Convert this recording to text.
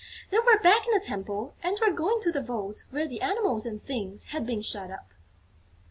They were back in the Temple and were going to the vaults where the Animals and Things had been shut up.